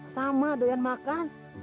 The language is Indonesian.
sama doyan makan